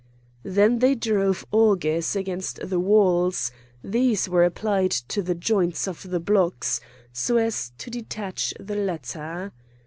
Then they drove augers against the walls; these were applied to the joints of the blocks, so as to detach the latter.